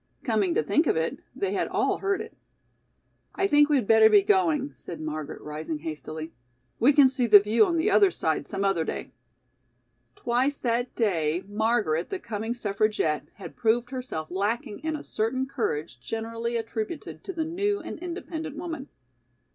Coming to think of it, they had all heard it. "I think we'd better be going," said Margaret, rising hastily. "We can see the view on the other side some other day." Twice that day Margaret, the coming suffragette, had proved herself lacking in a certain courage generally attributed to the new and independent woman.